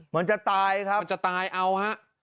มันจะตายครับมันจะตายเอาฮะ